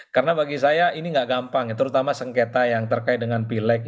karena bagi saya ini nggak gampang ya terutama sengketa yang terkait dengan pilek